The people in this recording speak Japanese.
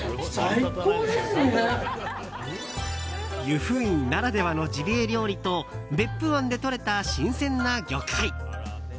由布院ならではのジビエ料理と別府湾でとれた新鮮な魚介。